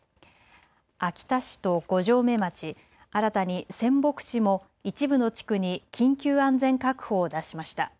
秋田市と五城目町、新たに仙北市も一部の地区に緊急安全確保を出しました。